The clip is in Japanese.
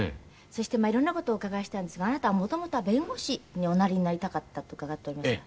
そして色んな事をお伺いしたいんですがあなたは元々は弁護士におなりになりたかったと伺っておりますが。